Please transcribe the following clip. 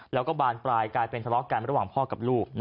แล้วก็บานปลายกลายเป็นทะเลาะกันระหว่างพ่อกับลูก